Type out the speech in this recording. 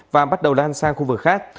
và bắt đầu lan sang khu vực khác